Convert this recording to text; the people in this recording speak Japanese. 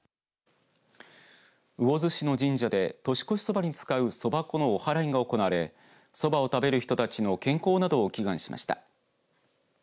魚津市の神社で年越しそばに使うそば粉のおはらいが行われそばを食べる人たちの健康などを祈願しました。